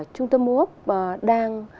trung tâm mô ốc đang